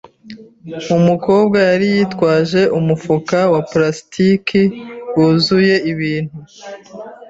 Umukobwa yari yitwaje umufuka wa plastiki wuzuye ibintu.